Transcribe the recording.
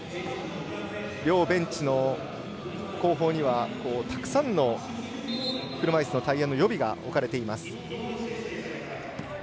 両ベンチの後方にはたくさんの車いすのタイヤの予備が置かれています。